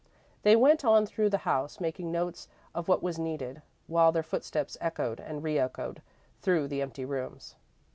They went on through the house, making notes of what was needed, while their footsteps echoed and re echoed through the empty rooms.